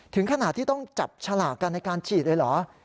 ถึงขนาดที่ต้องจับฉลากกันในการฉีดเลยเหรอ